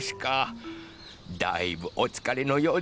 だいぶおつかれのようですね。